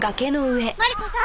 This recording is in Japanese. マリコさん！